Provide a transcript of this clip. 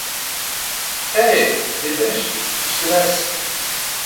Hé! dépêche, il se lasse.